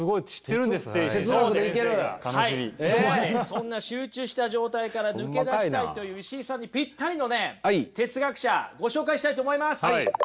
そんな集中した状態から抜け出したいという石井さんにピッタリのね哲学者ご紹介したいと思います。